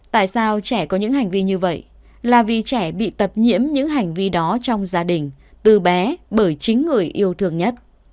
tại sao trẻ có những hành vi như vậy là vì trẻ bị tập nhiễm những hành vi đó trong gia đình từ bé bởi chính người yêu thương nhất